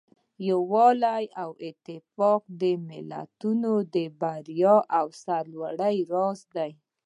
یووالی او اتفاق د ملتونو د بریا او سرلوړۍ راز دی.